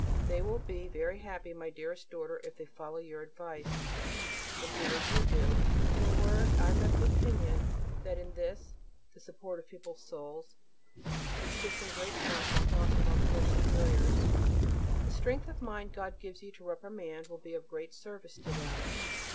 They will be very happy, my dearest daughter, if they follow your advice, and do as you do. In a word I am of opinion that in this (the support of feeble souls) consists in great part the cross of poor Superiors. The strength of mind God gives you to reprimand will be of great service to them.